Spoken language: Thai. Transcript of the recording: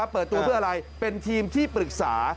เปิดตัวเพื่ออะไรเป็นทีมที่ปรึกษา